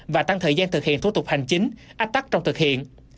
và tăng thời gian thực hiện thủ tục hành chính ách tắc trong thực hiện